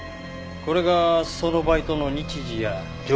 これがそのバイトの日時や条件のメモ。